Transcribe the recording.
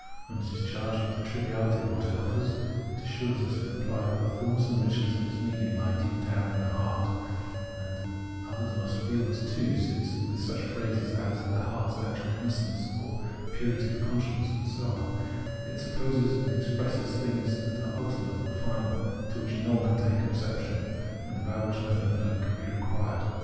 When it is charged with the triviahty of what it offers, it assures us, in reply, that the fullness and richness of its meaning lie deep down in its own heart, and that others must feel this too, since with such phrases as the " heart's natural innocence," " purity of conscience," and so on, it supposes it has expressed things that are ultimate and final, to which no one can take exception, and about which nothing further can be required.